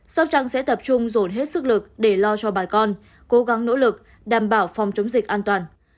sóc trăng sẽ tập trung dồn hết sức lực để lo cho bà con cố gắng nỗ lực đảm bảo phòng chống dịch an toàn